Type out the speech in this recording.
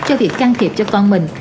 cho việc can thiệp cho con mình